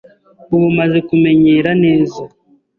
Ubu maze kumenyera neza